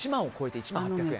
１万８００円。